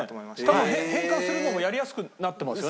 多分変換するのもやりやすくなってますよね？